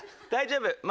大丈夫。